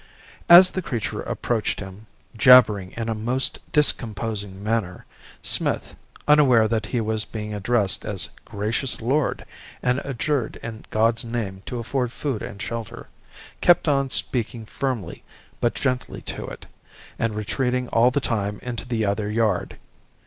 "As the creature approached him, jabbering in a most discomposing manner, Smith (unaware that he was being addressed as 'gracious lord,' and adjured in God's name to afford food and shelter) kept on speaking firmly but gently to it, and retreating all the time into the other yard.